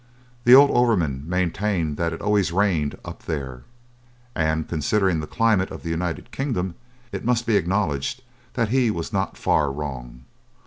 The old overman maintained that it always rained "up there," and, considering the climate of the United Kingdom, it must be acknowledged that he was not far wrong.